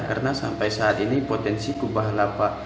karena sampai saat ini potensi kubah lava